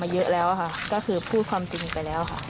เยอะแล้วค่ะก็คือพูดความจริงไปแล้วค่ะ